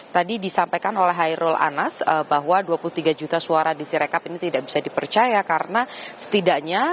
tadi disampaikan oleh hairul anas bahwa dua puluh tiga juta suara di sirekap ini tidak bisa dipercaya karena setidaknya